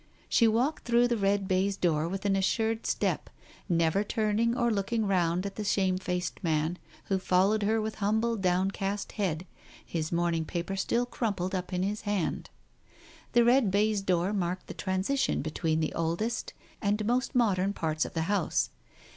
She walked through the red baize door with an assured step, never turning or looking round at the shamefaced man who followed her with humble, downcast head, his morning paper still crumpled up in his hand. The red baize door marked the transition between the oldest and most modern parts of the house.